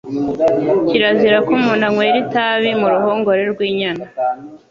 Kirazira ko umuntu anywera itabi mu ruhongore rw’inyana,